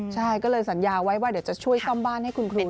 ใช่ก็เลยสัญญาไว้ว่าเดี๋ยวจะช่วยซ่อมบ้านให้คุณควิน